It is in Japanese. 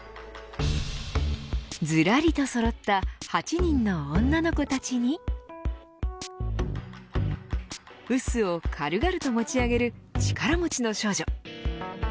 ずらりとそろった８人の女の子たちに臼を軽々と持ち上げる力持ちの少女。